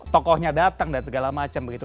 tokohnya datang dan segala macam begitu